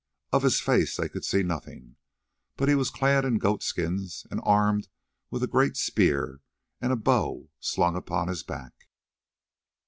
Of his face they could see nothing, but he was clad in goat skins, and armed with a great spear and a bow slung upon his back.